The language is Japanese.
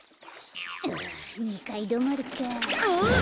あ２かいどまりかあっ！